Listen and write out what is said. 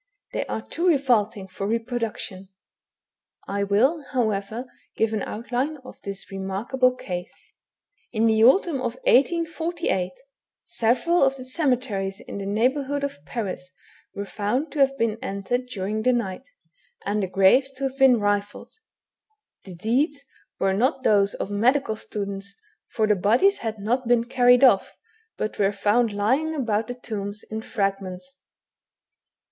They are too revolting for reproduction. I will, however, give an outline of this remarkable case. 256 THE BOOK OF WERE WOLVES. In the autumn of 1848, several of the cemeteries in the neighbourhood of Paris were found to have been entered during the night, and graves to have been rifled. The deeds were not those of medical students, for the bodies had not been carried oflf, but were found lying about the tombs in fragments.